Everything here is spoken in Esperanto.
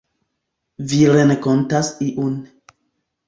Vi renkontas iun.